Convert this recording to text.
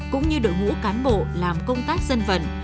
cũng như đội ngũ cán bộ làm công tác dân vận